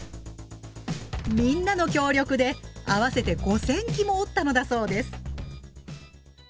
みんなの協力で合わせて５，０００機も折ったのだそうです。